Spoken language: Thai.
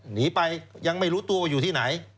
หนีไปยังไม่รู้ตัวว่าอยู่ที่ไหน